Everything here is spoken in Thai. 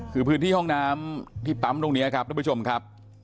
คือพื้นที่ห้องน้ำที่ปั๊มตรงนี้ครับทุกผู้ชมครับ